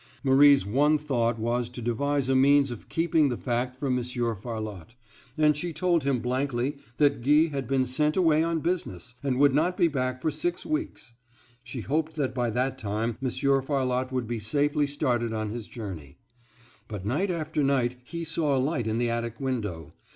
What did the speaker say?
Marie's one thought was to devise a means of keeping the fact from Monsieur Farlotte; and she told him blankly that Guy had been sent away on business, and would not be back for six weeks. She hoped that by that time Monsieur Farlotte would be safely started on his journey. But night after night he saw a light in the attic window.